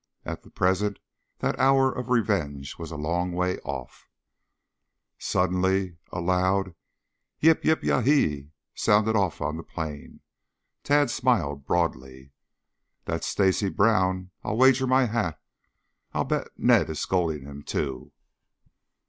At present that hour of revenge was a long way off. Suddenly a loud "Yip! Yip! Yahee!" sounded off on the plain. Tad smiled broadly. "That's Stacy Brown, I'll wager my hat. I'll bet Ned is scolding him, too."